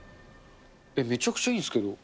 めちゃくちゃいいんですけど。